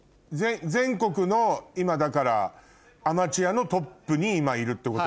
全国のアマチュアのトップに今いるってことよね。